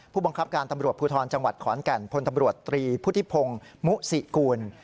ผู้บังคับการตำรวจภูทรจังหวัดขอนแก่นพลตำรวจตรีพุทธิพงศ์มุสิกูล